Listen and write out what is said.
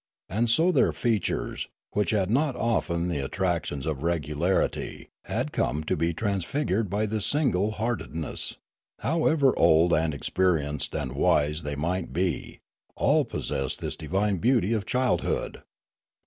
And so their features, which had not often the attractions of regularity, had come to be transfigured by this single heartedness; however old and experienced and wise they might be, all possessed this divine beauty of child hood.